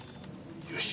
よし。